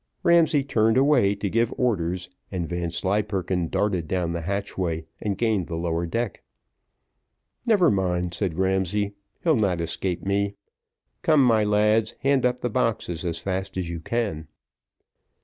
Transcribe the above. Ramsay turned away to give orders, and Vanslyperken darted down the hatchway, and gained the lower deck. "Never mind," said Ramsay, "he'll not escape me; come, my lads, hand up the boxes as fast as you can."